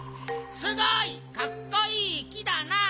すごいかっこいい木だなあ！